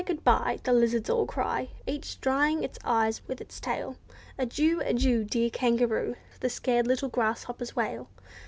Good bye!" The lizards all cry, Each drying its eyes with its tail. "Adieu! Adieu! Dear kangaroo!" The scared little grasshoppers wail.